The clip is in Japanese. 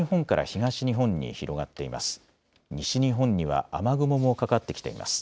西日本には雨雲もかかってきています。